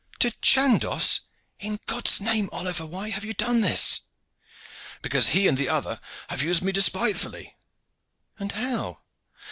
"To Chandos? In God's name, Oliver, why have you done this?" "Because he and the other have used me despitefully." "And how?"